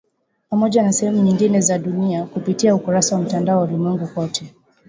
Pamoja na sehemu nyingine za dunia kupitia ukurasa wa Mtandao wa Ulimwengu Kote